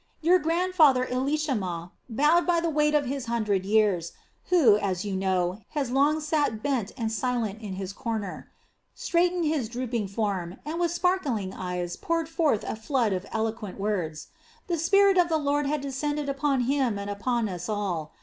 Your grandfather Elishama, bowed by the weight of his hundred years, who, as you know, has long sat bent and silent in his corner, straightened his drooping form, and with sparkling eyes poured forth a flood of eloquent words. The spirit of the Lord had descended upon him and upon us all.